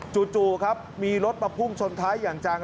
จู่ครับมีรถมาพุ่งชนท้ายอย่างจัง